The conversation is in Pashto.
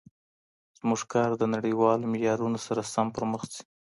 زموږ کار د نړیوالو معیارونو سره سم پرمخ ځي.